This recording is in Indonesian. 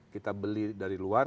kita beli dari luar